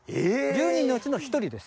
１０人のうちの１人です。